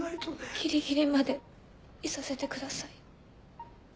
ギリギリまでいさせてください。